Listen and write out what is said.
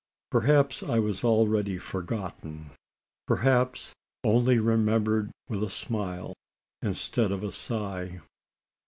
Perhaps I was already forgotten? Perhaps only remembered with a smile, instead of a sigh?